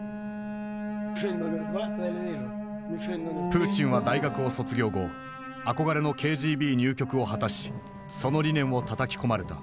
プーチンは大学を卒業後憧れのＫＧＢ入局を果たしその理念をたたき込まれた。